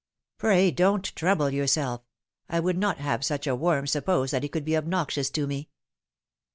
" Pray don't trouble yourself. I would not have such a worm suppose that he could be obnoxious to me."